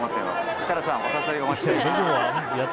設楽さん、お誘いお待ちしてます。